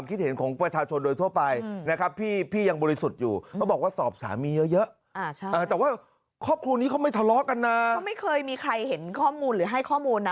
เขาไม่เคยมีใครเห็นข้อมูลหรือให้ข้อมูลนะ